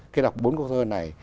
khi đọc bốn câu thơ này